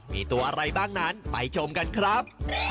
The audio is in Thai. มีตัวอะไรบ้างนั้นไปชมกันครับ